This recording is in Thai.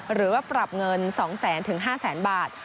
หรือว่าปรับเงิน๒๐๐๐๕๐๐๐๐บาท